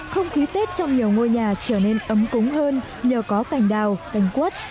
không khí tết trong nhiều ngôi nhà trở nên ấm cúng hơn nhờ có cành đào cảnh quất